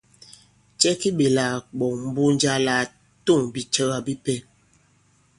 Cɛ ki ɓèlà kàɓɔ̀ŋ Mbunja la à tôŋ bìcɛ̀wa bipɛ?